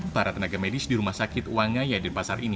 para tenaga medis di rumah sakit wangaya denpasar ini